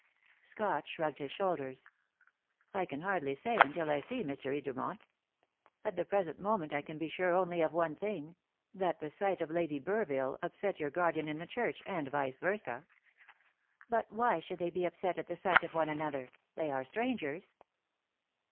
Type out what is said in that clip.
Scott shrugged his shoulders. "I can hardly say until I see Mr. Edermont. At the present moment I can be sure only of one thing that the sight of Lady Burville upset your guardian in the church, and vice versâ." "But why should they be upset at the sight of one another? They are strangers."